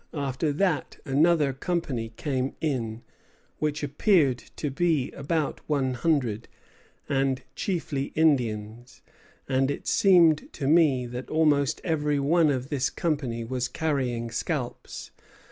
After that another company came in, which appeared to be about one hundred, and chiefly Indians; and it seemed to me that almost every one of this company was carrying scalps.